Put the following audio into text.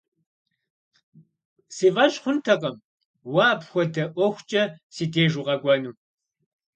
Си фӀэщ хъунтэкъым уэ апхуэдэ ӀуэхукӀэ си деж укъэкӀуэну.